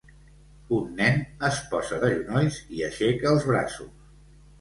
Un nen es posa de genolls i aixeca els braços